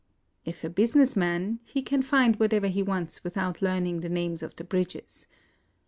If a business man, he can find whatever he wants without learning the names of the bridges.